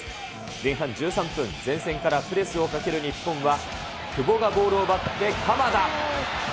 前半１３分、前線からプレスをかける日本は、久保がゴールを奪って鎌田。